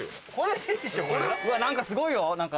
うわ何かすごいよ何か。